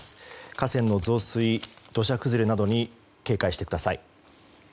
河川の増水、土砂崩れなどに警戒してください。